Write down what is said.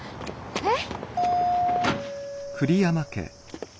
えっ？